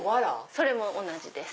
それも同じです。